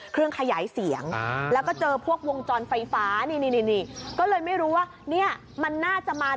เครื่องขยายเสียงแล้วก็เจอพวกวงจรไฟฟ้านี่นี่ก็เลยไม่รู้ว่าเนี่ยมันน่าจะมา